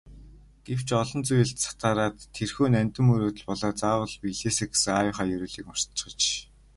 Гэвч олон зүйлд сатаараад тэрхүү нандин мөрөөдөл болоод заавал биелээсэй гэсэн аавынхаа ерөөлийг мартчихаж.